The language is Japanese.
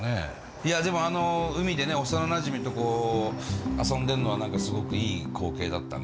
いやでもあの海でね幼なじみと遊んでんのは何かすごくいい光景だったね。